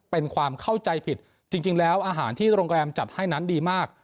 เป็นความเข้าใจผิดจริงแล้วอาหารที่โรงแรมจัดให้นั้นดีมาก